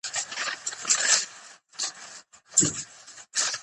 اقتصادي وضعیت باید ښه شي.